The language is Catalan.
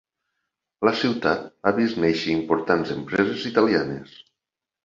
La ciutat ha vist néixer importants empreses italianes.